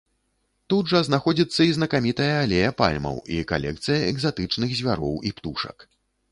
Тут жа знаходзіцца і знакамітая алея пальмаў, і калекцыя экзатычных звяроў і птушак.